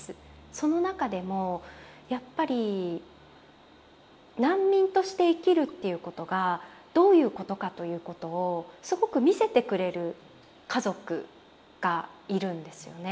その中でもやっぱり難民として生きるっていうことがどういうことかということをすごく見せてくれる家族がいるんですよね。